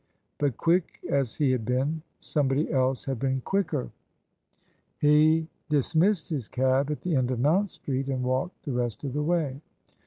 But quick as he had been, somebody else had been quicker; OF ISABEL CARNABY he dismissed his cab at the end of Mount Street and walked the rest of the way.